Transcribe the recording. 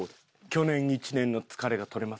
去年１年の疲れが取れます。